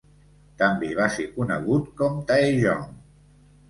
També va ser conegut com Taejong.